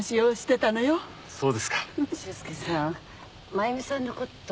真弓さんのこと。